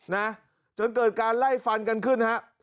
นะจนเกิดการไล่ฟันกันขึ้นฮะ